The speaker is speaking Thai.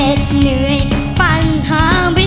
เฆ็ดเหนื่อยกับปันห้างพี่